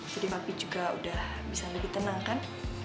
jadi papi juga udah bisa lebih tenang kan